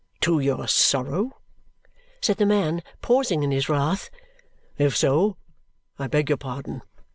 "To your sorrow?" said the man, pausing in his wrath, "if so, I beg your pardon.